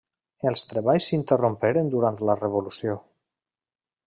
Els treballs s'interromperen durant la Revolució.